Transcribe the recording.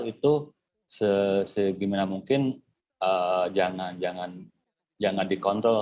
itu segimana mungkin jangan dikontrol